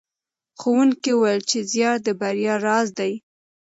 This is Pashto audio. ښوونکي وویل چې زیار د بریا راز دی.